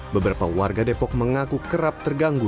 beberapa warga depok mengaku kerap terganggu